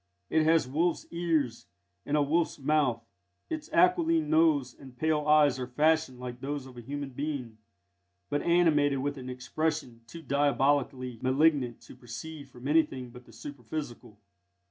It has wolf's ears and a wolf's mouth. Its aquiline nose and pale eyes are fashioned like those of a human being, but animated with an expression too diabolically malignant to proceed from anything but the superphysical.